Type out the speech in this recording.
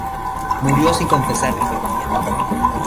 Murió sin confesar remordimientos.